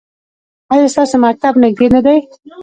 ایا ستاسو مکتب نږدې نه دی؟